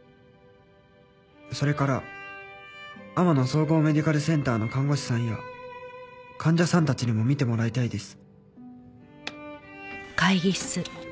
「それから天乃総合メディカルセンターの看護師さんや患者さんたちにも観てもらいたいです」